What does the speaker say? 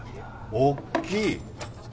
大きい。